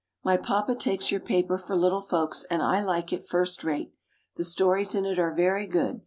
My papa takes your paper for little folks, and I like it first rate. The stories in it are very good.